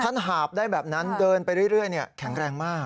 ท่านหาบได้แบบนั้นเดินไปเรื่อยเนี่ยแข็งแรงมาก